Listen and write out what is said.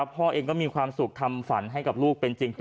พ่อเองก็มีความสุขทำฝันให้กับลูกเป็นจริง